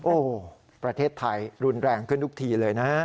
โอ้โหประเทศไทยรุนแรงขึ้นทุกทีเลยนะฮะ